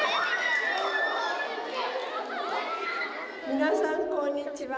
皆さんこんにちは。